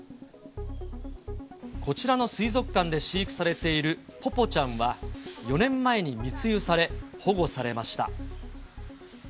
こちらの水族館で飼育されているポポちゃんは、４年前に密輸され、保護されました。